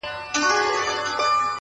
که په ژړا کي مصلحت وو! خندا څه ډول وه!